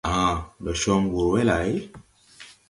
Aã, ndo con wur we lay ?